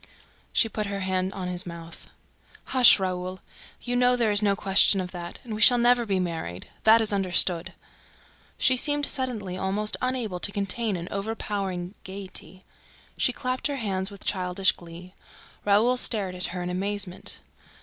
She put her hand on his mouth. "Hush, Raoul! ... You know there is no question of that ... And we shall never be married: that is understood!" She seemed suddenly almost unable to contain an overpowering gaiety. She clapped her hands with childish glee. Raoul stared at her in amazement.